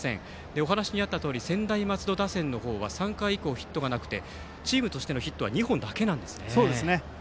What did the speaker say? お話にあったとおり専大松戸打線の方は３回以降、ヒットがなくてチームとしてのヒットは２本だけなんですね。